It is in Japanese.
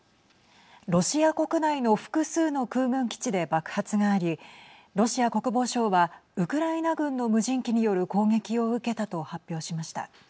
ロシア国内の複数の空軍基地で爆発がありロシア国防省はウクライナ軍の無人機による攻撃を受けたと発表しました。